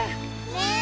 ねえ。